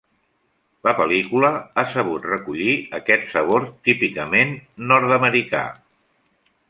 La pel·lícula ha sabut recollir aquest sabor típicament nord-americà.